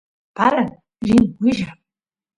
paran rini willay